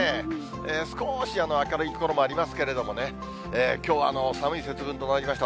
少し明るい所もありますけれどもね、きょうは寒い節分となりました。